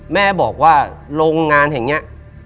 แม่บอกว่าโรงงานแห่งนี้